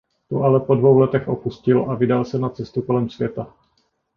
Tu ale po dvou letech opustil a vydal se na cestu kolem světa.